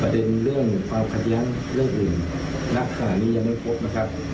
เด็นเรื่องความขัดแย้งเรื่องอื่นณขณะนี้ยังไม่พบนะครับ